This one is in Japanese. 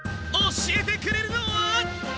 教えてくれるのは。